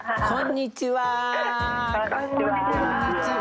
こんにちは！